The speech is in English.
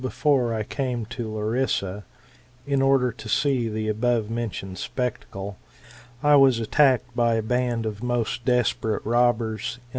5 before I came to Larissa^, in order to see the above mentioned spectacle, I was attacked by a band of most desperate robbers, in.